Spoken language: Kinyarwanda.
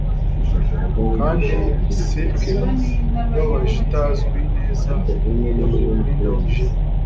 kandi silken ibabaje itazwi neza ya buri mwenda wijimye